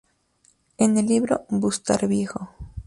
En el libro "Bustarviejo.